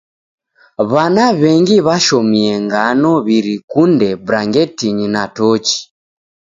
W'ana w'engi w'ashomie ngano w'irikunde brangetinyi na tochi.